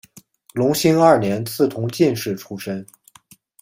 隆兴二年赐同进士出身。